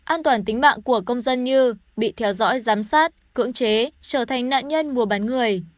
an toàn tính mạng của công dân như bị theo dõi giám sát cưỡng chế trở thành nạn nhân mua bán người